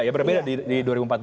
ya berbeda di dua ribu empat belas